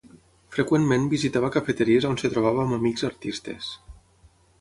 Freqüentment visitava cafeteries on es trobava amb amics artistes.